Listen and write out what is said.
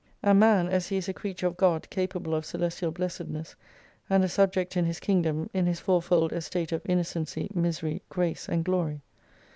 And man, 191 as he is a creature of God, capable of celestial blessed ness, and a subject in His Kingdom, in his fourfold estate of innocency, misery, grace and glory.